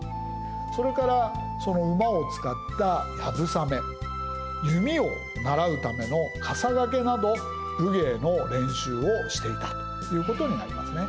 それからその馬を使った流鏑馬弓を習うための笠懸など武芸の練習をしていたということになりますね。